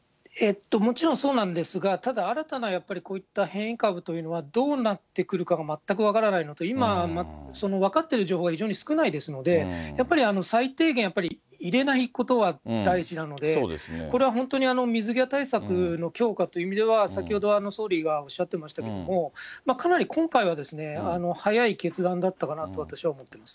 もちろんそうなんですが、ただ新たな、やっぱりこういった変異株というのは、どうなってくるかが全く分からないのと、今、分かっている情報が非常に少ないですので、やっぱり最低限、やっぱり入れないことは第一なので、これは本当に水際対策の強化という意味では、先ほど総理がおっしゃってましたけれども、かなり今回は、早い決断だったかなと私は思っています。